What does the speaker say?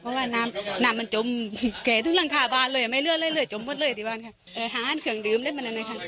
เพราะว่าน้ำน้ำมันจมเขจถึงร่างคาบ้านเลยไม่เลือดเลยเลยจมหมดเลยตีบ้านค่ะ